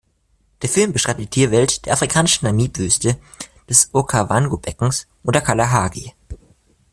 Der Film beschreibt die Tierwelt der afrikanischen Namib-Wüste, des Okavango-Beckens und der Kalahari.